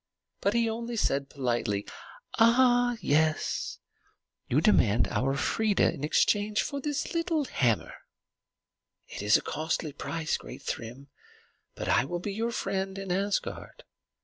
But he only said politely, "Ah, yes; you demand our Freia in exchange for the little hammer? It is a costly price, great Thrym. But I will be your friend in Asgard.